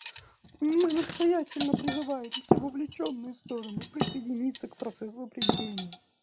Мы настоятельно призываем все вовлеченные стороны присоединиться к процессу примирения.